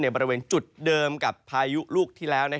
บริเวณจุดเดิมกับพายุลูกที่แล้ว